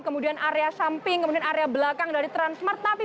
kemudian area samping kemudian area belakang dari transmartrungkut surabaya